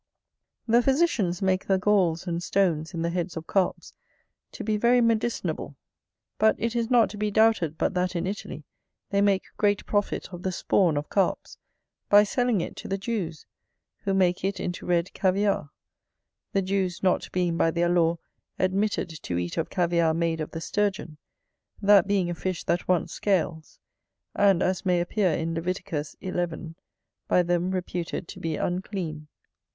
The physicians make the galls and stones in the heads of Carps to be very medicinable. But it is not to be doubted but that in Italy they make great profit of the spawn of Carps, by selling it to the Jews, who make it into red caviare; the Jews not being by their law admitted to eat of caviare made of the Sturgeon, that being a fish that wants scales, and, as may appear in Leviticus xi., by them reputed to be unclean.